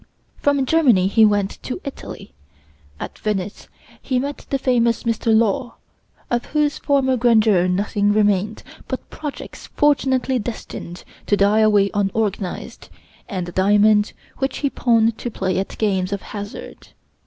From Germany he went to Italy. At Venice he met the famous Mr. Law, of whose former grandeur nothing remained but projects fortunately destined to die away unorganized, and a diamond which he pawned to play at games of hazard.